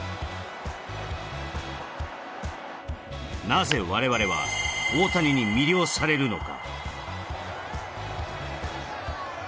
なぜ我々は大谷に魅了されるのか。